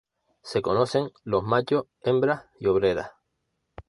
Se conocen los machos, hembras y obreras.